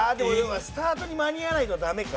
スタートに間に合わないとダメか。